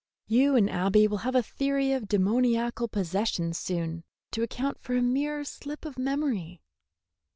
You and Abby will have a theory of demoniacal possession soon, to account for a mere slip of memory."